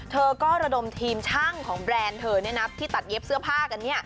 เธอก็ระดมทีมช่างของแบรนด์เธอที่ตัดเย็บเสื้อผ้ากัน